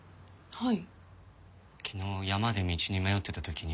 はい。